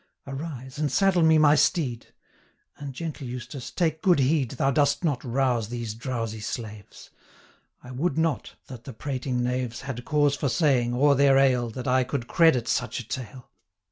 Arise, and saddle me my steed; And, gentle Eustace, take good heed Thou dost not rouse these drowsy slaves; 545 I would not, that the prating knaves Had cause for saying, o'er their ale, That I could credit such a tale.'